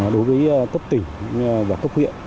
đối với cấp tỉnh và cấp huyện